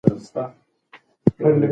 شریف خپل زوی ته د ښه ژوند هیلې ورکوي.